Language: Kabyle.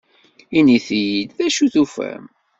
Init-iyi-d d acu tufam.